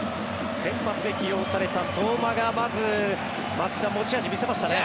先発で起用された相馬がまず松木さん持ち味見せましたね。